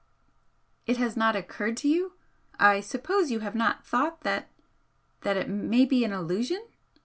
"It has not occurred to you I suppose you have not thought that that it may be an illusion?"